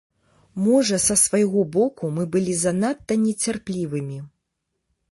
Можа, са свайго боку мы былі занадта нецярплівымі.